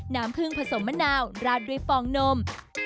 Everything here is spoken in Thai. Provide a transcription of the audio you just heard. น้ำผึ้งผสมมะนาวราดด้วยฟองนม